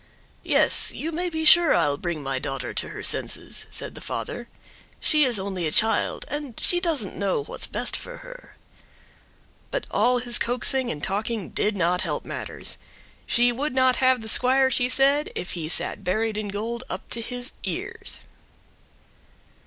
"Yes, you may be sure I'll bring my daughter to her senses," said the father. "She is only a child, and she doesn't know what's best for her." But all his coaxing and talking did not help matters. She would not have the squire, she said, if he sat buried in gold up to his ears.